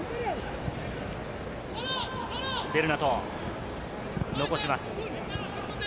ベルナト、残します。